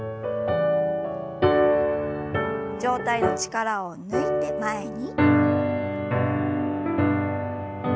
上体の力を抜いて前に。